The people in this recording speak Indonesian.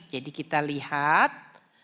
jadi kita lihat